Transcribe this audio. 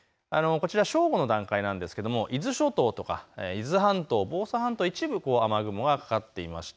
正午の段階なんですが伊豆諸島、伊豆半島、房総半島、一部に雨雲がかかっていました。